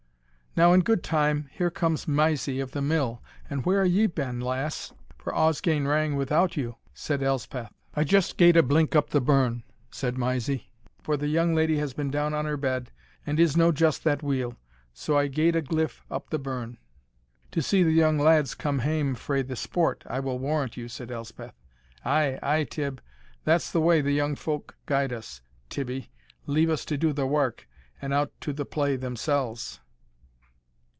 "Now, in good time, here comes Mysie of the Mill. And where hae ye been, lass for a's gane wrang without you?" said Elspeth. "I just gaed a blink up the burn," said Mysie, "for the young lady has been down on her bed, and is no just that weel So I gaed a gliff up the burn." "To see the young lads come hame frae the sport, I will warrant you," said Elspeth. "Ay, ay, Tibb, that's the way the young folk guide us, Tibbie leave us to do the wark, and out to the play themsells."